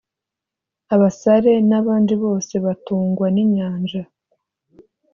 abasare n abandi bose batungwa n inyanja